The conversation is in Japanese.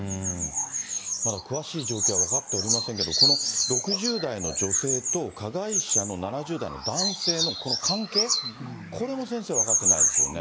まだ詳しい状況は分かっておりませんけれども、この６０代の女性と、加害者の７０代の男性のこの関係、これも先生、分かってないですよね。